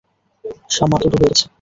শামা তো ডুবে গেছে।